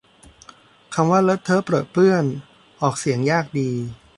คำว่าเลอะเทอะเปรอะเปื้อน ออกเสียงยากดี